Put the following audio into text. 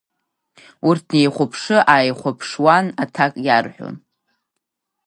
Урҭ неихәаԥшы-ааихәаԥшуан аҭак иарҳәон.